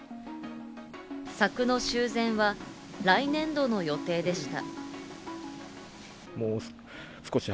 柵の修繕は来年度の予定でした。